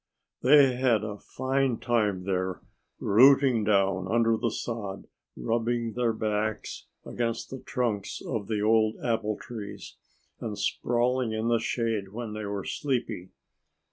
They had a fine time there, rooting down under the sod, rubbing their backs against the trunks of the old apple trees, and sprawling in the shade when they were sleepy.